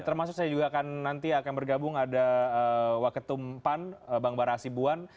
termasuk saya juga akan nanti akan bergabung ada waketum pan bang bara asibuan